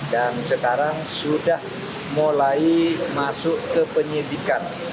dan sekarang sudah mulai masuk ke penyidikan